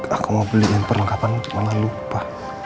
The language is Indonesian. aku mau beliin perlengkapan untuk malah lupa